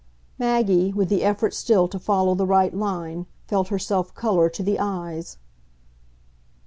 Maggie, with the effort still to follow the right line, felt herself colour to the eyes.